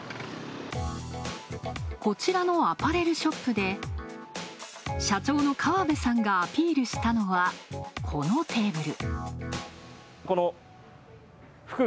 こちらのアパレルショップで、社長の川辺さんがアピールしたのは、このテーブル。